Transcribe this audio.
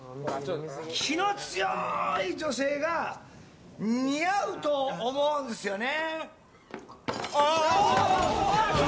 気の強い女性が似合うと思うんですよね。